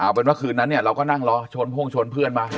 เวลาคืนนั้นเราก็นั่งรอชวนพึ่งชวนเพื่อนมา